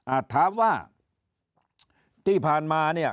ถามว่าที่ผ่านมาเนี่ย